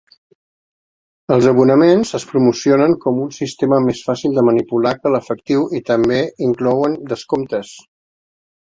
Els abonaments es promocionen com un sistema més fàcil de manipular que l'efectiu i també inclouen descomptes.